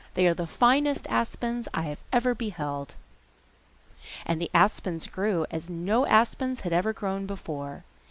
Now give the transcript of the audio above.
They are the finest aspens I have ever beheld!' And the aspens grew as no aspens had ever grown before.